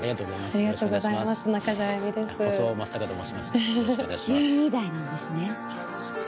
十二代なんですね。